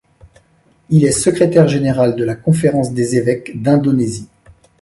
Il est secrétaire général de la Conférence des évêques d’Indonésie.